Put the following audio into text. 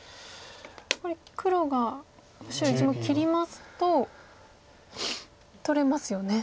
これ黒が白１目切りますと取れますよね。